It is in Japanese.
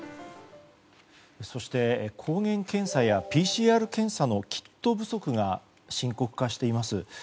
そして、抗原検査やＰＣＲ検査のキット不足が深刻化しています。